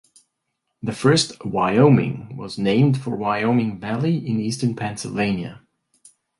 The first "Wyoming" was named for Wyoming Valley in eastern Pennsylvania.